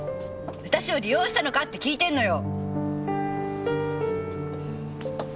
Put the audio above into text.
私を利用したのかって訊いてんのよ！